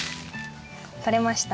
とれました。